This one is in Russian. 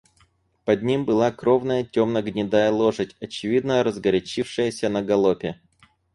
Под ним была кровная темно-гнедая лошадь, очевидно разгорячившаяся на галопе.